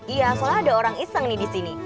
iya soalnya ada orang iseng nih disini